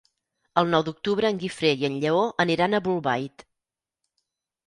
El nou d'octubre en Guifré i en Lleó aniran a Bolbait.